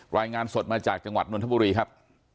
รายงานสดมาจากจังหวัดนทบุรีครับ